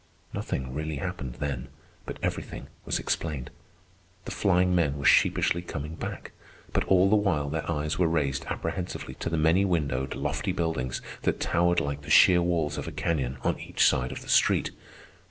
Nothing really happened then, but everything was explained. The flying men were sheepishly coming back, but all the while their eyes were raised apprehensively to the many windowed, lofty buildings that towered like the sheer walls of a canyon on each side of the street.